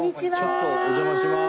ちょっとお邪魔します。